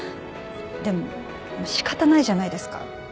でも仕方ないじゃないですか。